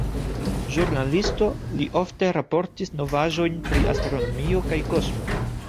Ĵurnalisto, li ofte raportis novaĵojn pri astronomio kaj kosmo.